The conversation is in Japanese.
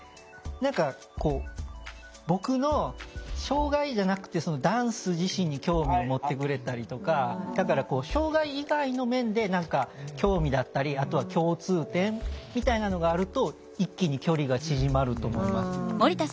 何か僕の障害じゃなくてダンス自身に興味を持ってくれたりとかだから障害以外の面で何か興味だったりあとは共通点みたいなのがあると一気に距離が縮まると思います。